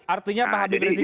artinya pak habib resik siap